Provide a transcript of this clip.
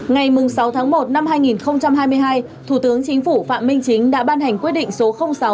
ngày sáu tháng một năm hai nghìn hai mươi hai thủ tướng chính phủ phạm minh chính đã ban hành quyết định số sáu